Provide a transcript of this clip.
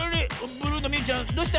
ブルーのみゆちゃんどうした？